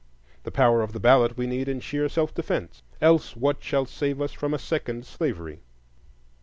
The power of the ballot we need in sheer self defence,—else what shall save us from a second slavery?